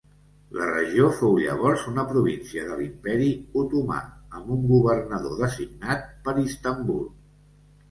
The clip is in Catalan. La regió fou llavors una província de l'imperi otomà amb un governador designat per Istanbul.